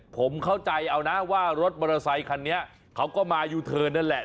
ผมเข้าใจเอานะว่ารถมอเตอร์ไซคันนี้เขาก็มายูเทิร์นนั่นแหละ